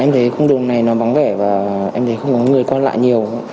em thấy khung đồn này nó vắng vẻ và em thấy không có người qua lại nhiều